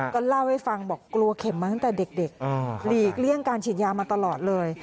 ก็เล่าให้ฟังบอกกลัวเข็มมาตั้งแต่เด็กหลีกเลี่ยงการฉีดยามาตลอดเลย